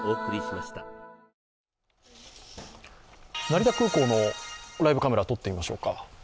成田空港のライブカメラ、とってみましょうか。